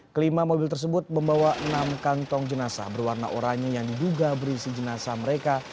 kelima mobil tersebut membawa enam kantong jenazah berwarna oranye yang diduga berisi jenazah mereka